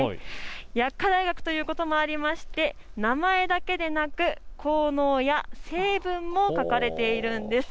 薬科大学ということもありまして名前だけではなく効能や成分も書かれているんです。